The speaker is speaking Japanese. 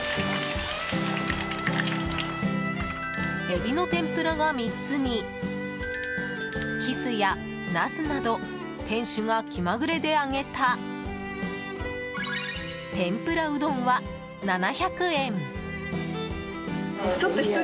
エビの天ぷらが３つにキスやナスなど店主が気まぐれで揚げた天ぷらうどんは、７００円。